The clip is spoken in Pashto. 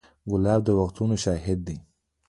ګلاب د وختونو شاهد دی.